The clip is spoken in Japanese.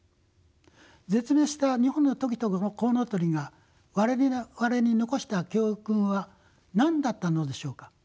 絶滅した日本のトキとコウノトリが我々に残した教訓は何だったのでしょうか？